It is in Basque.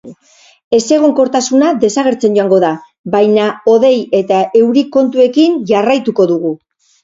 Ezegonkortasuna desagertzen joango da, baina hodei eta euri kontuekin jarraituko dugu.